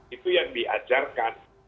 itu yang diajarkan